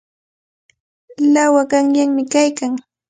Lawaqa qamyami kaykan.